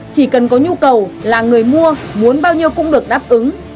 chỉ cần có nhu cầu là người mua muốn bao nhiêu cũng được đáp ứng